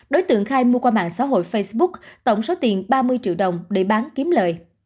đối tượng khai mua qua mạng xã hội facebook tổng số tiền ba mươi triệu đồng để bán kiếm lời